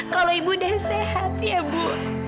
kalau ibu udah sehat ya bu